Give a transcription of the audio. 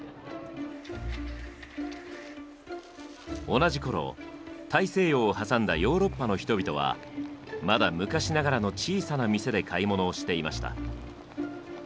同じ頃大西洋を挟んだヨーロッパの人々はまだ昔ながらの小さな店で買い物をしていました。